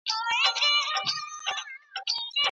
د افغانستان د بهرني سیاست لخوا د وګړو حقونه نه خوندي کیږي.